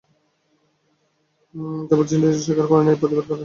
যাবদ নিজে কিছু স্বীকার করেন না, প্রতিবাদও করেন না।